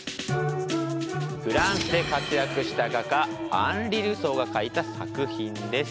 フランスで活躍した画家アンリ・ルソーが描いた作品です。